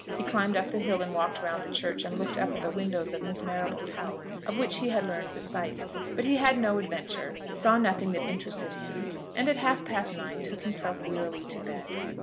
He climbed up the hill and walked round the church and looked up at the windows of Miss Marrable's house, of which he had learned the site; but he had no adventure, saw nothing that interested him, and at half past nine took himself wearily to bed.